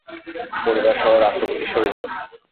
পরিবারসহ রাষ্ট্রপতি শহীদ হন।